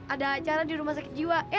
ada acara di rumah sakit jiwa